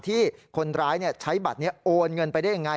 ที่คนร้ายใช้บัตรนี้โอนเงินไปได้ยังไง